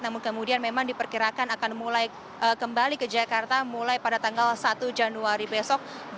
namun kemudian memang diperkirakan akan mulai kembali ke jakarta mulai pada tanggal satu januari besok